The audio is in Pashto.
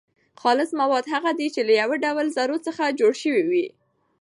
خالص مواد هغه دي چي له يو ډول ذرو څخه جوړ سوي وي.